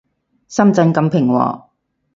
深圳咁平和